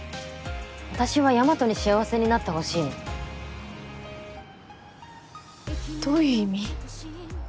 私は大和に幸せになってほしいのどういう意味？